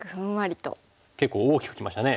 結構大きくきましたね。